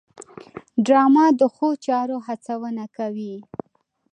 ډرامه د ښو چارو هڅونه کوي